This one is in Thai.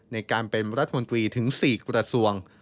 ในการเป็นรัฐมนตรีถึง๔กระทรวง